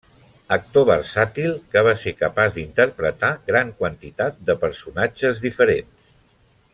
Actor versàtil, que va ser capaç d'interpretar gran quantitat de personatges diferents.